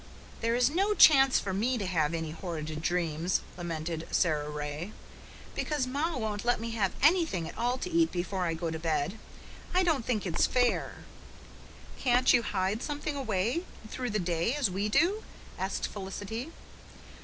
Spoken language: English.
"There is no chance for me to have any horrid dreams," lamented Sara Ray, "because ma won't let me having anything at all to eat before I go to bed. I don't think it's fair." "Can't you hide something away through the day as we do?" asked Felicity.